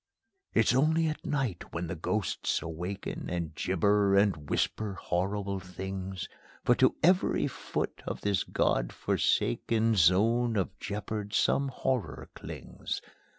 It's only at night when the ghosts awaken, And gibber and whisper horrible things; For to every foot of this God forsaken Zone of jeopard some horror clings.